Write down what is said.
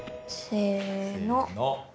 せの。